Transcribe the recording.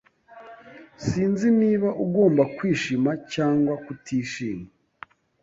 Sinzi niba ugomba kwishima cyangwa kutishima.